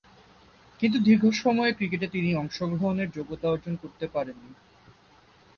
কিন্তু দীর্ঘ সময়ের ক্রিকেটে তিনি অংশগ্রহণের যোগ্যতা অর্জন করতে পারেননি।